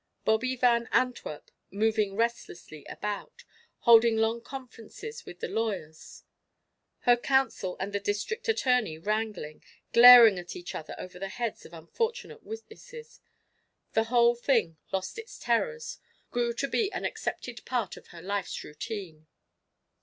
Bobby Van Antwerp moving restlessly about, holding long conferences with the lawyers; her counsel and the District Attorney wrangling, glaring at each other over the heads of unfortunate witnesses the whole thing lost its terrors, grew to be an accepted part of her life's routine.